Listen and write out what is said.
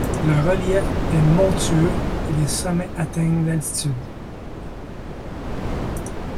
Le relief est montueux et les sommets atteignent d'altitude.